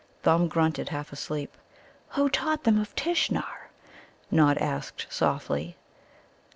Thumb grunted, half asleep. "Who taught them of Tishnar?" Nod asked softly.